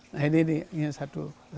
nah ini yang satu